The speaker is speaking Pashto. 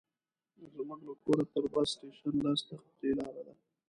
زموږ له کوره تر بس سټېشن لس دقیقې لاره ده.